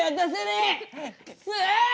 くそ！